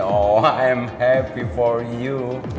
oh saya senang untukmu